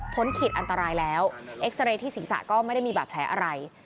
พ้นขิดอันตรายแล้วที่ศีรษะก็ไม่ได้มีแบบแผลอะไร